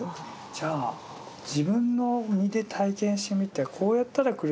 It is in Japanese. じゃあ自分の身で体験してみてこうやったら苦しみが逃れられた。